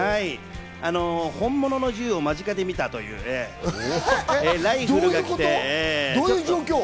本物の銃を間近で見たというね、ライフルが来て。